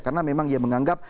karena memang dia menganggap